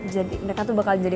jadi mereka tuh bakalan jadi